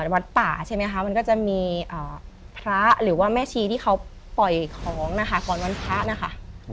วัดป่าใช่ไหมคะมันก็จะมีพระหรือว่าแม่ชีที่เขาปล่อยของนะคะก่อนวันพระนะคะ